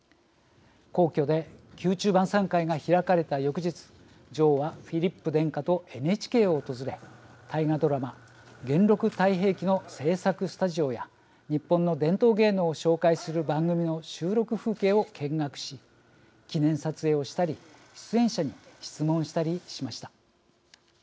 皇室で宮中晩さん会が開かれた翌日、女王はフィリップ殿下とＮＨＫを訪れ大河ドラマ「元禄太平記」の制作スタジオや日本の伝統芸能を紹介する番組の収録風景を見学し記念撮影をしたり出演者に質問したりしました。